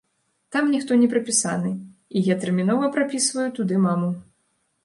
Там ніхто не прапісаны, і я тэрмінова прапісваю туды маму.